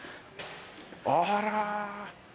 あら。